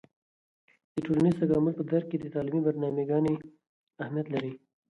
د ټولنیز تکامل په درک کې د تعلیمي برنامه ګانې اهیمت لري.